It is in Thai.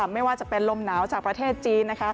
ไม่ว่าจะเป็นลมหนาวจากประเทศจีน